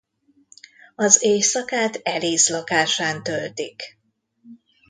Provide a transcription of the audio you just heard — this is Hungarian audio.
Az éjszakát Elise lakásán töltik.